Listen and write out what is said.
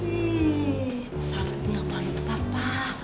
ih seharusnya yang paling itu papa